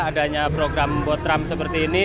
adanya program botram seperti ini